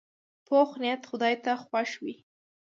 پوخ نیت خدای ته خوښ وي